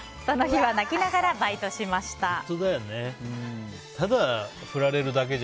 その日は泣きながらバイトしました。